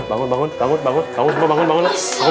bangun bangun bangun